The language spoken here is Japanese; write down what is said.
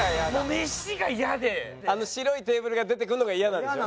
あの白いテーブルが出てくるのが嫌なんでしょ？